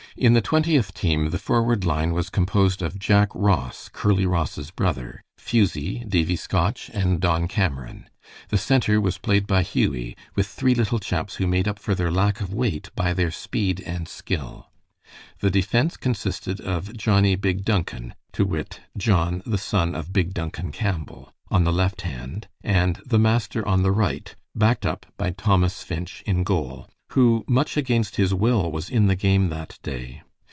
In the Twentieth team the forward line was composed of Jack Ross, Curly Ross's brother, Fusie, Davie Scotch, and Don Cameron. The center was played by Hughie, with three little chaps who made up for their lack of weight by their speed and skill. The defense consisted of Johnnie "Big Duncan," to wit, John, the son of Big Duncan Campbell, on the left hand, and the master on the right, backed up by Thomas Finch in goal, who much against his will was in the game that day.